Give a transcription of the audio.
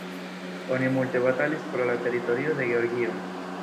Oni multe batalis pro la teritorio de Georgio.